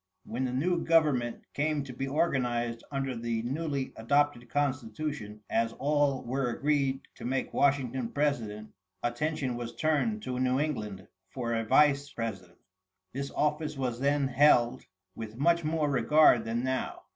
When the new government came to be organized under the newly adopted constitution, as all were agreed to make Washington president, attention was turned to New England for a vice president. This office was then held with much more regard than now.